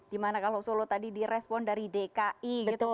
dimana kalau solo tadi di respon dari dki gitu kan